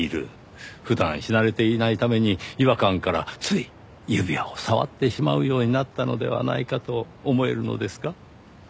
普段し慣れていないために違和感からつい指輪を触ってしまうようになったのではないかと思えるのですが。